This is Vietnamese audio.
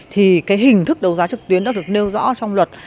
thì cái hình thức đấu giá trực tuyến đã được nêu rõ trong luật